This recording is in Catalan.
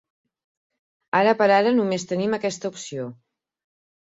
Ara per ara només tenim aquesta opció.